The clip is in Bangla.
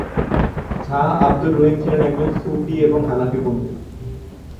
শাহ আব্দুর রহিম ছিলেন একজন সুফি এবং হানাফি পণ্ডিত।